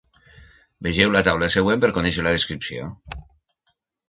Vegeu la taula següent per conèixer la descripció.